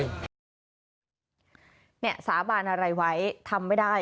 สาบานอะไรไว้ทำไม่ได้